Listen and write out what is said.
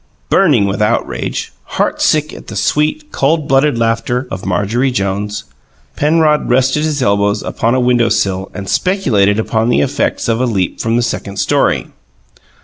Burning with outrage, heart sick at the sweet, cold blooded laughter of Marjorie Jones, Penrod rested his elbows upon a window sill and speculated upon the effects of a leap from the second story.